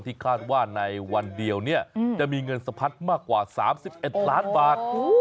คาดว่าในวันเดียวจะมีเงินสะพัดมากกว่า๓๑ล้านบาท